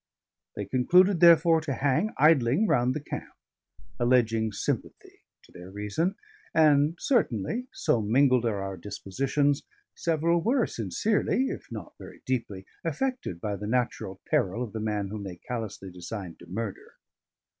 They concluded, therefore, to hang idling round the camp, alleging sympathy to their reason; and, certainly, so mingled are our dispositions, several were sincerely (if not very deeply) affected by the natural peril of the man whom they callously designed to murder.